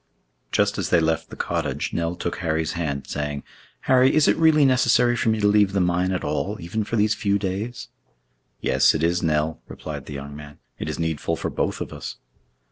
Just as they left the cottage, Nell took Harry's hand saying, "Harry, is it really necessary for me to leave the mine at all, even for these few days?" "Yes, it is, Nell," replied the young man. "It is needful for both of us."